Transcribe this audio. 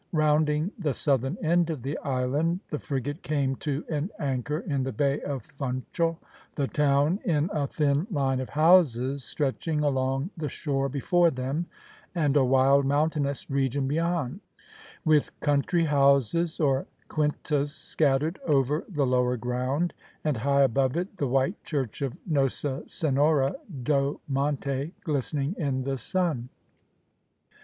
Rounding the southern end of the island, the frigate came to an anchor in the bay of Funchal, the town in a thin line of houses stretching along the shore before them, and a wild mountainous region beyond, with country houses or quintas scattered over the lower ground, and high above it the white church of Nossa Senhora do Monte, glistening in the sun.